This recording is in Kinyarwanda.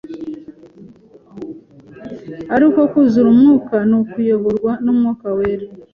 Ariko kwuzura Umwuka ni ukuyoborwa n'Umwuka wera